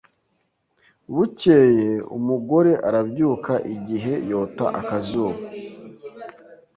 Bukeye umugore arabyuka igihe yota akazuba